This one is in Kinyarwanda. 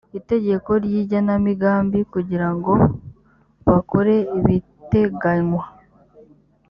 itegeko ry’igenamigambi kugira ngo bakore ibiteganywa